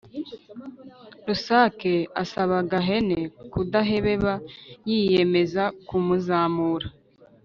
Rusake asaba Gahene kudahebeba, yiyemeza kumuzamura.